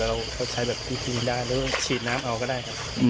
แต่เราเขาใช้แบบที่ที่มันได้แล้วก็ฉีดน้ำเอาก็ได้